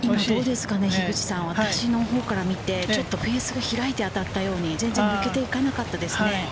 今、私の方から見て、ちょっとフェースが開いて当たったように、全然剥けていかなかったですね。